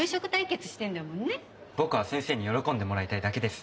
僕は先生に喜んでもらいたいだけです。